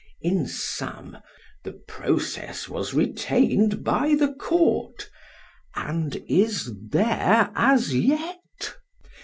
In sum, the process was retained by the court, and is there as yet.